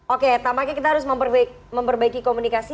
oke tampaknya kita harus memperbaiki komunikasi